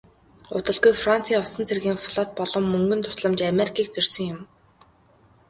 Удалгүй францын усан цэргийн флот болон мөнгөн тусламж америкийг зорьсон юм.